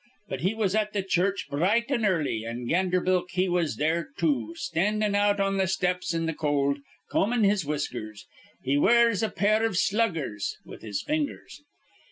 But he was at th' church bright an' early; an' Ganderbilk he was there, too, standin' out on th' steps in th' cold, combin' his whiskers he wears a pair iv sluggers with his fingers.